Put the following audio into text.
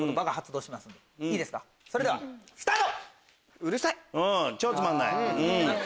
それではスタート！